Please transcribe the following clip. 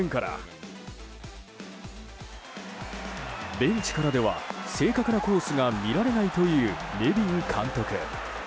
ベンチからでは正確なコースが見られないというネビン監督。